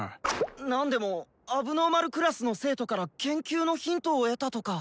何でも問題児クラスの生徒から研究のヒントを得たとか。